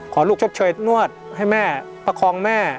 ขอลูกชดเชยนวดให้แม่ประคองแม่